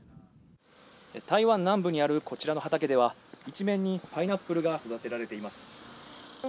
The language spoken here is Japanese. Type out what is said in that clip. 台湾南部にあるこちらの畑では一面にパイナップルが育てられています。